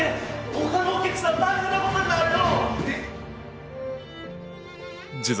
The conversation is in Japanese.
他のお客さん大変なことになるよ！